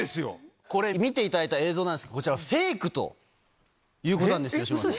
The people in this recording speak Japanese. これ、見ていただいた映像なんですけど、こちら、フェイクということなんですよ、吉村さん。